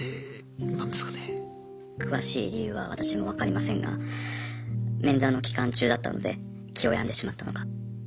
詳しい理由は私も分かりませんが面談の期間中だったので気を病んでしまったのか。